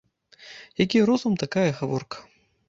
Які розум, такая і гаворка